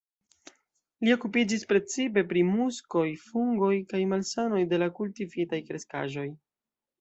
Li okupiĝis precipe pri muskoj, fungoj kaj malsanoj de la kultivitaj kreskaĵoj.